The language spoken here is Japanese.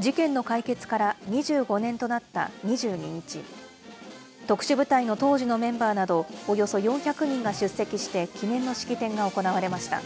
事件の解決から２５年となった２２日、特殊部隊の当時のメンバーなど、およそ４００人が出席して記念の式典が行われました。